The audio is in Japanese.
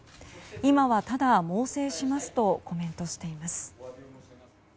今は、ただ猛省しますとコメントしています。